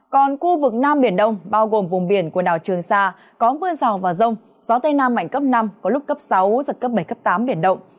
còn khu vực nam biển đông bao gồm vùng biển quần đảo trường sa có mưa rào và rông gió tây nam mạnh cấp năm có lúc cấp sáu giật cấp bảy cấp tám biển động